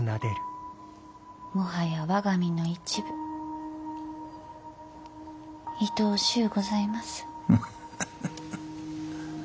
もはや我が身の一部いとおしうございます。